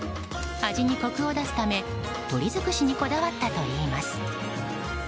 味にコクを出すため鶏尽くしにこだわったといいます。